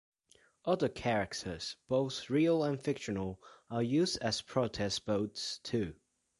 Other characters, both real and fictional, are used as protest votes too.